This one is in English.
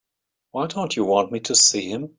Why don't you want me to see him?